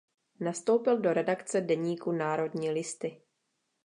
Nastoupil do redakce deníku Národní listy.